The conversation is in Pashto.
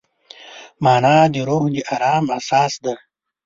مانا د روح د ارام اساس دی.